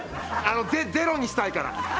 ゼロにしたいから！